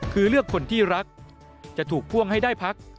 คือเลือกคนที่รักจะถูกพ่วงให้ได้พัก